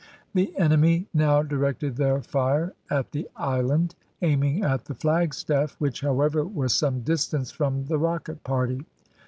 The enemy now directed their fire at the island, aiming at the flagstaff, which, however, was some distance from the rocket party.